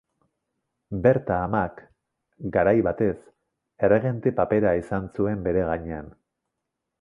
Berta amak, garai batez, erregente papera izan zuen bere gainean.